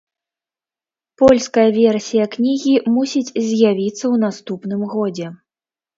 Польская версія кнігі мусіць з'явіцца ў наступным годзе.